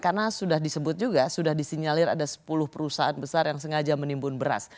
karena sudah disebut juga sudah disinyalir ada sepuluh perusahaan besar yang sengaja menimbun beras